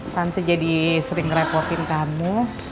tante jadi sering repotin kamu